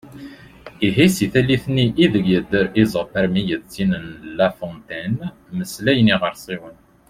Ihi seg tallit-nni ideg yedder Esope armi d tin n La Fontaine “mmeslayen iɣersiwen”.